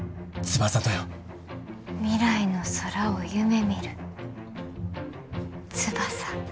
未来の空を夢みる翼。